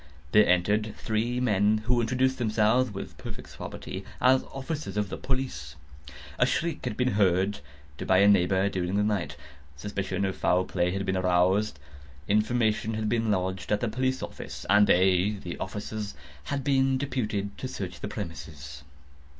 There entered three men, who introduced themselves, with perfect suavity, as officers of the police. A shriek had been heard by a neighbour during the night; suspicion of foul play had been aroused; information had been lodged at the police office, and they (the officers) had been deputed to search the premises.